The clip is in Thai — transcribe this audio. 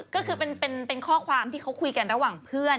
ก็คือเป็นข้อความที่เขาคุยกันระหว่างเพื่อน